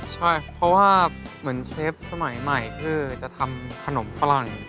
ใช่เพราะว่าเหมือนเชฟสมัยใหม่คือจะทำขนมฝรั่ง